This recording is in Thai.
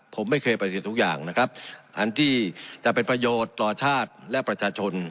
ผมไม่เคยปฏิเสธทุกอย่างนะครับอันที่จะเป็นประโยชน์ต่อชาติและประชาชน